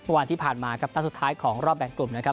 วันที่ผ่านมาครับนัดสุดท้ายของรอบแบ่งกลุ่มนะครับ